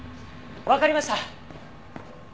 わかりました！